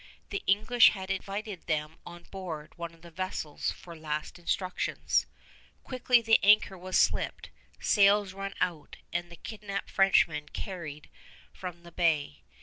The English had invited them on board one of the vessels for last instructions. Quickly the anchor was slipped, sails run out, and the kidnapped Frenchmen carried from the bay.